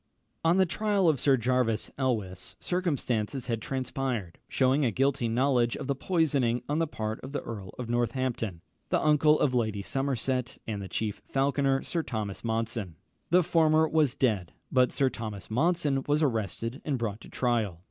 On the trial of Sir Jervis Elwes, circumstances had transpired, shewing a guilty knowledge of the poisoning on the part of the Earl of Northampton, the uncle of Lady Somerset, and the chief falconer Sir Thomas Monson. The former was dead; but Sir Thomas Monson was arrested and brought to trial.